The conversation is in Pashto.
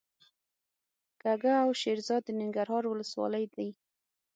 کږه او شیرزاد د ننګرهار ولسوالۍ دي.